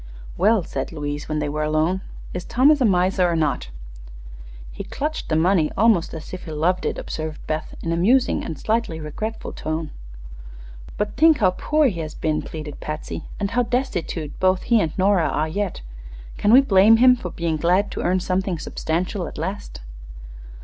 "Well," said Louise, when they were alone, "is Thomas a miser or not?" "He clutched the money almost as if he loved it," observed Beth, in a musing and slightly regretful tone. "But think how poor he has been," pleaded Patsy, "and how destitute both he and Nora are yet. Can we blame him for being glad to earn something substantial at last?"